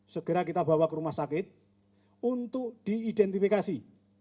segera kita bawa ke rumah sakit untuk diidentifikasi